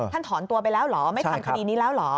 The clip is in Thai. ถอนตัวไปแล้วเหรอไม่ทำคดีนี้แล้วเหรอ